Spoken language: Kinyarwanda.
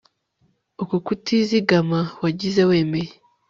uko kutizigama wagize wemeye